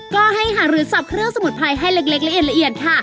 ก็ให้หารือสับเครื่องสมุนไพรให้เล็กละเอียดค่ะ